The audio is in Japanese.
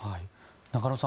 中野さん